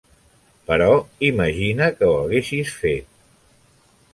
Però imagina que ho haguessis fet.